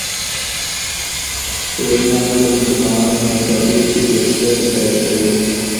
روميانو د مسلمانانو په مقابل کي لښکر تيار کړی و.